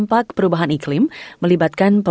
berada di posisi ideal